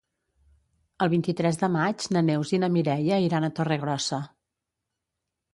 El vint-i-tres de maig na Neus i na Mireia iran a Torregrossa.